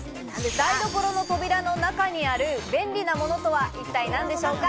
台所の扉の中にある便利なものとは一体何でしょうか？